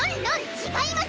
違います！